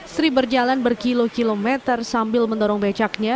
sri berjalan berkilo kilometer sambil mendorong becaknya